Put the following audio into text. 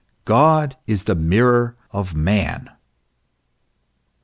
God is the mirror of man.